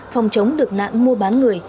phòng chống được nạn mua bán người